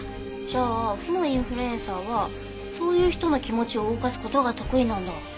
じゃあ負のインフルエンサーはそういう人の気持ちを動かす事が得意なんだ。